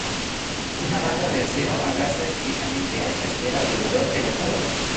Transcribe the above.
Una banda de acero abraza estrechamente a esta esfera alrededor del ecuador.